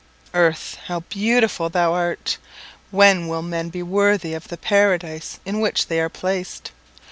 Earth! how beautiful thou art! When will men be worthy of the paradise in which they are placed?